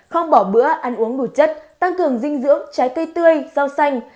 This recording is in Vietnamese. không bỏ bữa ăn uống đủ chất tăng cường dinh dưỡng trái cây tươi rau xanh